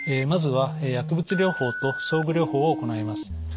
まずは薬物療法と装具療法を行います。